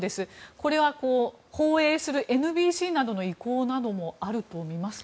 これは放映するＮＢＣなどの意向などもあると思いますか。